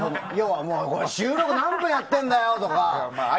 収録何分やってるんだよ！とか。